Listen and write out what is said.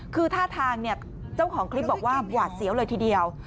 คือท่าทางเนี่ยเจ้าของคลิปบอกว่าหวาดเสียวเลยทีเดียว